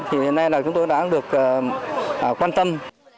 thì nên là chúng tôi đã được quan tâm